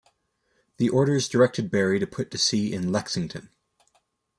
The orders directed Barry to put to sea in "Lexington".